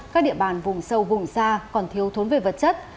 các địa bàn vùng sâu vùng xa còn thiếu thốn về vật chất